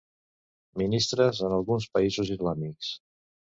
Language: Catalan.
Ministres en alguns països islàmics.